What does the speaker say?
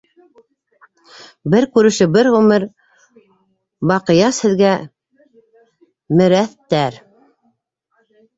Бер күрешеү - бер ғүмер, баҡыяс һеҙгә, мерәҫтәр!